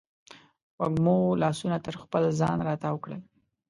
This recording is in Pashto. وږمو لاسونه تر خپل ځان راتاو کړل